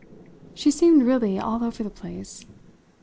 She seemed really all over the place.